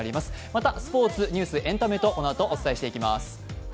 またスポーツ、ニュース、エンタメとこのあと、お伝えしていきます。